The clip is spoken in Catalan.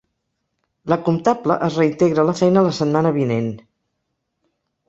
La comptable es reintegra a la feina la setmana vinent.